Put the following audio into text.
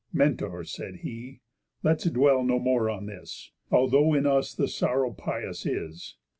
"Mentor!" said he, "let's dwell no more on this, Although in us the sorrow pious is.